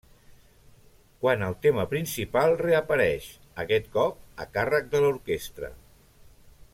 Quan el tema principal reapareix, aquest cop a càrrec de l'orquestra.